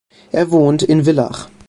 Er wohnt in Villach.